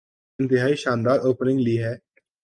انتہائی شاندار اوپننگ لی ہے۔